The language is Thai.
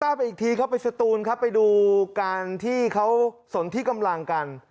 ไปอีกทีเข้าไปสตูนครับไปดูการที่เขาสนที่กำลังกัน